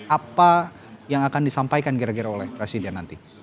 apa yang akan disampaikan kira kira oleh presiden nanti